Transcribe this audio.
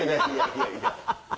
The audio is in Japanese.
いやいや。